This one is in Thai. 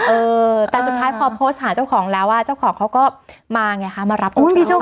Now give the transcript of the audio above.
เออแต่สุดท้ายพอโพสต์หาเจ้าของแล้วอ่ะเจ้าของเขาก็มาไงคะมารับ